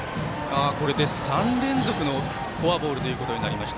これで３連続のフォアボールということになりました。